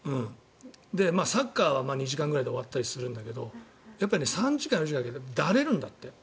サッカーは２時間ぐらいで終わったりするんだけどやっぱり３時間、４時間行くとだれるんだって。